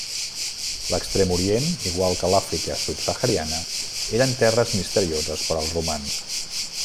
L'Extrem Orient, igual que l'Àfrica subsahariana, eren terres misterioses per als romans.